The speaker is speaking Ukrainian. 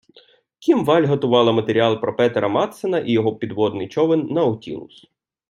Кім Валль готувала матеріал про Петера Мадсена і його підводний човен Наутілус.